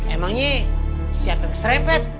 emangnya siapa yang keserempet